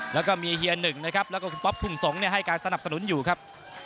แล้วก็มีเฮียหนึ่งนะครับแล้วก็คุณป๊อปทุ่งสงศ์ให้การสนับสนุนอยู่ครับ